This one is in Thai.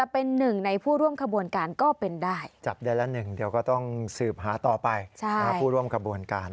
เป็นกระบวนการนะครับ